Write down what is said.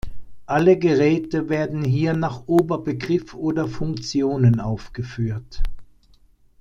Alle Geräte werden hier nach Oberbegriff oder Funktionen aufgeführt.